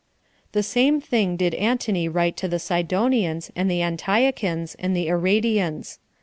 The same thing did Antony write to the Sidonians, and the Antiochians, and the Aradians.